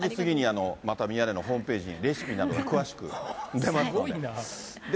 またミヤネ屋のホームページにレシピなど、詳しく出ますので。